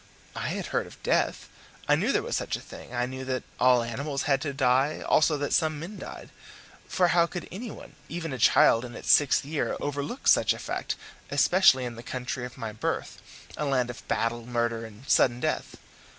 I had heard of death I knew there was such a thing; I knew that all animals had to die, also that some men died. For how could any one, even a child in its sixth year, overlook such a fact, especially in the country of my birth a land of battle, murder, and sudden death?